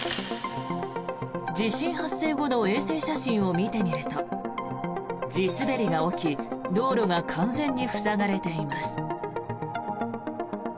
地震発生後の衛星写真を見てみると地滑りが起き道路が完全に塞がれています。